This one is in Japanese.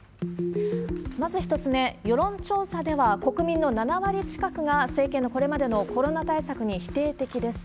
まず１つ目、世論調査では、国民の７割近くが政権のこれまでのコロナ対策に否定的です。